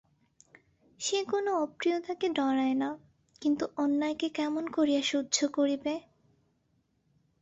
সে কোনো অপ্রিয়তাকে ডরায় না, কিন্তু অন্যায়কে কেমন করিয়া সহ্য করিবে!